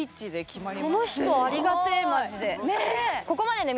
その人ありがてえまじで。